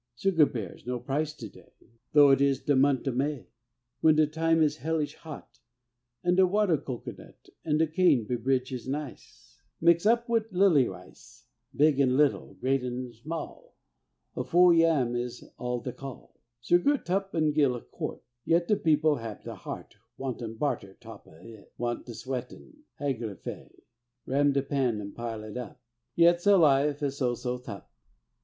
Sugar bears no price to day, Though it is de mont' o' May, When de time is hellish hot, An' de water cocoanut An' de cane bebridge is nice, Mix' up wid a lilly ice. Big an' little, great an' small, Afou yam is all de call; Sugar tup an' gill a quart, Yet de people hab de heart Wantin' brater top o' i', Want de sweatin' higgler fe Ram de pan an' pile i' up, Yet sell i' fe so so tup.